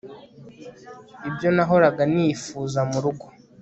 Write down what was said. ibyo nahoraga nifuza murugo